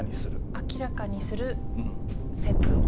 「明らかにする説を」。